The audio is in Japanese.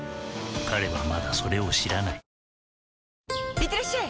いってらっしゃい！